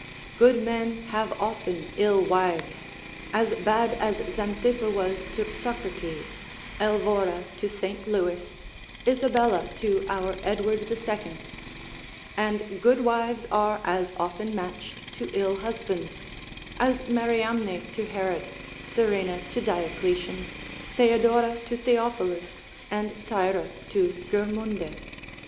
Good men have often ill wives, as bad as Xanthippe was to Socrates, Elevora to St. Lewis, Isabella to our Edward the Second; and good wives are as often matched to ill husbands, as Mariamne to Herod, Serena to Diocletian, Theodora to Theophilus, and Thyra to Gurmunde.